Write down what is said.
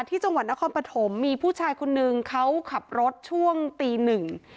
ที่จังหวัดนครปฐมมีผู้ชายคนนึงเขาขับรถช่วงตีหนึ่ง